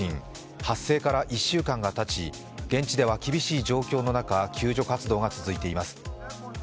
発生から１週間がたち現地では厳しい状況の中、救助活動が続いています。